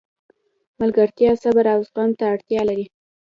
ملګرتیا صبر او زغم ته اړتیا لري.